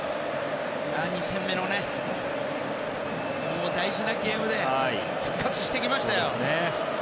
２戦目の大事なゲームで復活してきましたよ。